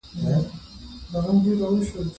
په موسکا یې د دهقان خواته کتله